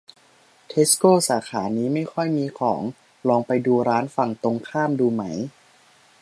เทสโกสาขานี้ไม่ค่อยมีของ ลองไปดูร้านฝั่งตรงข้ามดูไหม